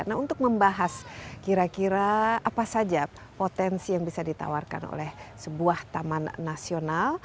nah untuk membahas kira kira apa saja potensi yang bisa ditawarkan oleh sebuah taman nasional